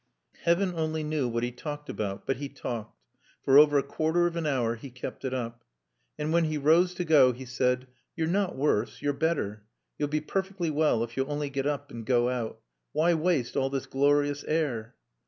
Heaven only knew what he talked about, but he talked; for over a quarter of an hour he kept it up. And when he rose to go he said, "You're not worse. You're better. You'll be perfectly well if you'll only get up and go out. Why waste all this glorious air?"